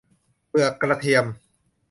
เปลือกกระเทียม